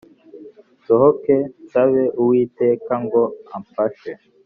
nsohoke nsabe Uwiteka ngo amfashe